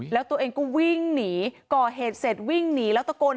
แล้วตัวเองก็วิ่งหนีก่อเหตุเสร็จวิ่งหนีแล้วตะโกน